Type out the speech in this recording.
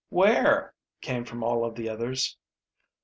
"Where?" came from all of the others.